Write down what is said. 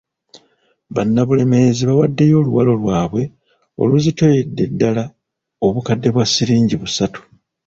Bannabulemeezi bawaddeyo oluwalo lwabwe oluzitoyedde ddala obukadde bwa ssiringi busatu.